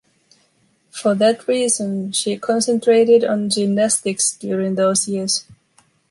For that reason, she concentrated on gymnastics during those years.